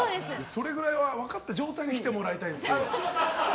それくらいは分かった状態で来てもらいたいですけど。